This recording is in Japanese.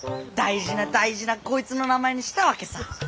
大事な大事なこいつの名前にしたわけさぁ。